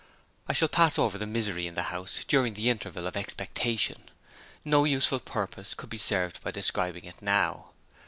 I shall pass over the misery in the house during the interval of expectation; no useful purpose could be served by describing it now.